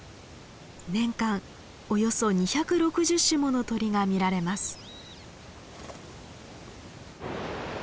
年間およそ２６０種もの鳥が見られます。